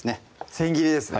せん切りですね